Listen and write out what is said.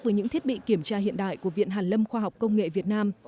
với những thiết bị kiểm tra hiện đại của viện hàn lâm khoa học công nghệ việt nam